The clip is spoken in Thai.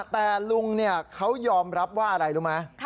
แต่ลุงเขายอมรับว่าอะไรรู้ไหม